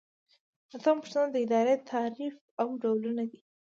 اتمه پوښتنه د ادارې تعریف او ډولونه دي.